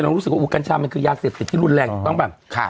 เรารู้สึกว่ากัญชามันคือยากเสร็จแต่ที่รุนแรงต้องแบบค่ะ